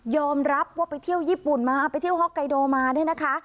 รับว่าไปเที่ยวญี่ปุ่นมาไปเที่ยวฮอกไกโดมาเนี่ยนะคะ